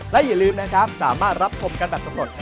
และอย่าลืมนะครับสามารถรับชมกันแบบสำรวจ